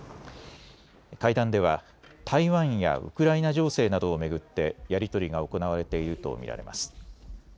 会談では台湾やウクライナ情勢などを巡ってやり取りが行われていると見られます。